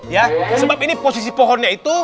ya sebab ini posisi pohonnya itu